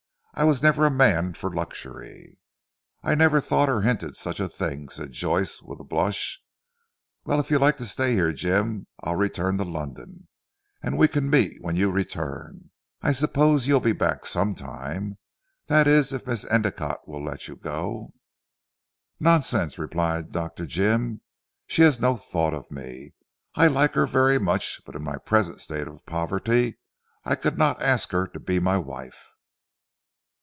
I was never a man for luxury." "I never thought or hinted such a thing," said Joyce with a blush. "Well, if you like to stay here Jim, I'll return to London, and we can meet when you return. I suppose you'll be back some time, that is if Miss Endicotte will let you go." "Nonsense," replied Dr. Jim, "she has no thought of me. I like her very much but in my present state of poverty I could not ask her to be my wife."